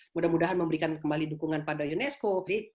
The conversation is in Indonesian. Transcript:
mudah mudahan memberikan kembali dukungan pada unesco